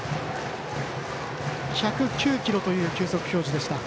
１０９キロという球速表示でした。